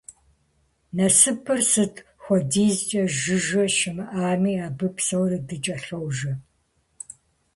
Насыпыр сыт хуэдизкӀэ жыжьэ щымыӀами, абы псори дыкӀэлъожэ.